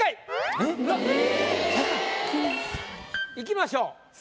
ええ！いきましょう。